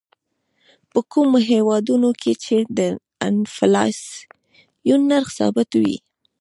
په کومو هېوادونو کې چې د انفلاسیون نرخ ثابت وي.